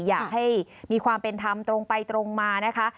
อยากให้มีความเป็นธรรมตรงไปตรงมานะคะ